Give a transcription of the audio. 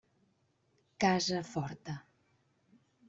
Casa forta.